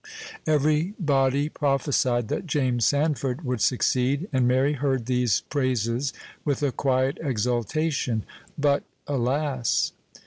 Every body prophesied that James Sandford would succeed, and Mary heard these praises with a quiet exultation. But alas!